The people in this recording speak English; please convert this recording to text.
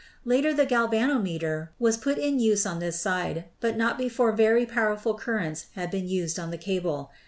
Later the gal vanometer was put in use on this side, but not before very powerful currents had been used on the cable.